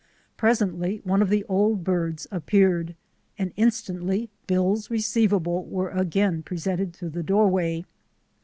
Presently one of the old birds appeared, and instantly bills receivable were again presented through the doorway.